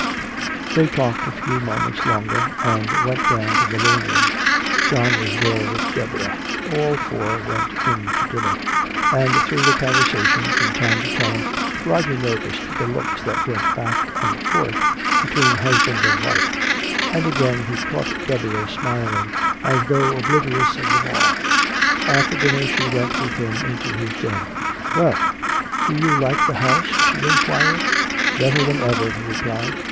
They talked a few moments longer and went down to the living room. John was there with Deborah. All four went in to dinner. And through the conversation, from time to time Roger noticed the looks that went back and forth between husband and wife; and again he caught Deborah smiling as though oblivious of them all. After dinner she went with him into his den. "Well! Do you like the house?" she inquired. "Better than ever," he replied.